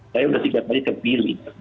saya sudah tiga kali terpilih